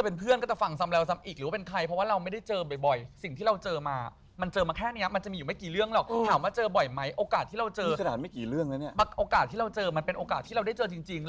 สิ่งที่ทำให้รู้ก็คือว่าบางอย่างหนังมันเกิดออกมามาจากเหตุการณ์จริง